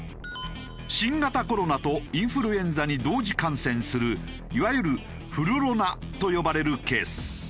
新型コロナとインフルエンザに同時感染するいわゆるフルロナと呼ばれるケース。